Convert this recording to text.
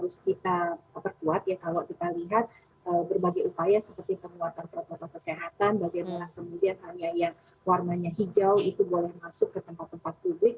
ini adalah proses yang sangat kuat ya kalau kita lihat berbagai upaya seperti pengeluaran protokol kesehatan bagaimana kemudian hanya yang warnanya hijau itu boleh masuk ke tempat tempat publik